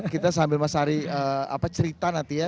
kita sambil mas ari cerita nanti ya